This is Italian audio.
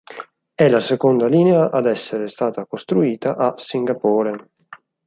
È la seconda linea ad essere stata costruita a Singapore.